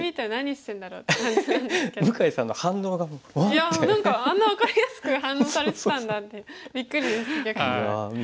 いや何かあんな分かりやすく反応されてたんだってビックリです逆に。